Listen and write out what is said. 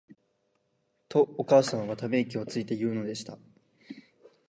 と、お母さんは溜息をついて言うのでした。